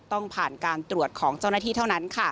ต้องผ่านการตรวจของเจ้าหน้าที่เท่านั้น